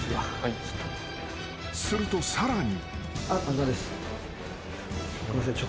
［するとさらに］